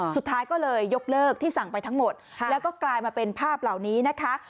สุดท้ายก็เลยยกเลิกที่สั่งไปทั้งหมดแล้วก็กลายมาเป็นภาพเหล่านี้นะคะ